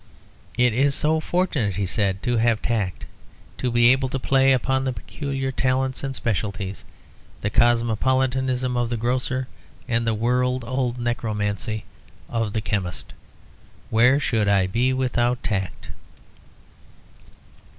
"It is so fortunate," he said, "to have tact, to be able to play upon the peculiar talents and specialities, the cosmopolitanism of the grocer and the world old necromancy of the chemist. Where should I be without tact?"